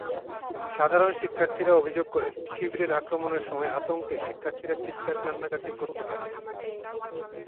সাধারণ শিক্ষার্থীরা অভিযোগ করেন, শিবিরের আক্রমণের সময় আতঙ্কে শিক্ষার্থীরা চিৎকার-কান্নাকাটি করতে থাকেন।